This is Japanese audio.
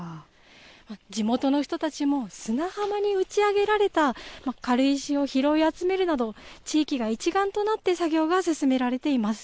地元の人たちも、砂浜に打ち上げられた軽石を拾い集めるなど、地域が一丸となって作業が進められています。